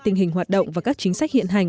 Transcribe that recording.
tình hình hoạt động và các chính sách hiện hành